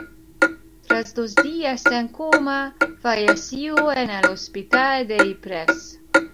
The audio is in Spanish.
Tras dos días en coma, falleció en el hospital de Ypres.